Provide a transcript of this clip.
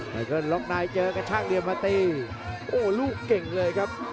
ไมค์เขาล็อกนายเจอกระชากเหลี่ยมมาตีโหลูกเก่งเลยครับ